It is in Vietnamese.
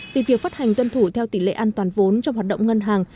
về việc phát hành tuân thủ theo tỷ lệ an toàn vốn trong hoạt động ngân hàng